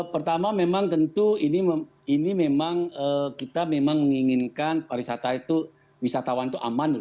pertama memang tentu ini memang kita memang menginginkan pariwisata itu wisatawan itu aman